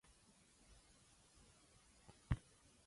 The term "effector" is used in other fields of biology.